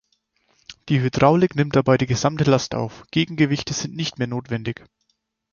Die Hydraulik nimmt dabei die gesamte Last auf, Gegengewichte sind nicht mehr notwendig.